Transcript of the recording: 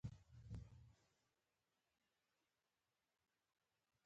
د زخم د وینې بندولو لپاره زردچوبه وکاروئ